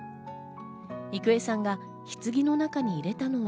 郁恵さんがひつぎの中に入れたのは。